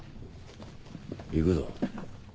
行くぞ。